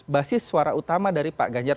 basis suara utama dari pak ganjar